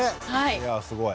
いやすごい。